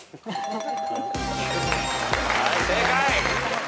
はい正解。